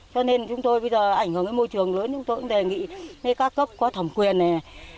cho nên chúng tôi bây giờ ảnh hưởng đến môi trường lớn chúng tôi cũng đề nghị với các cấp có thẩm quyền này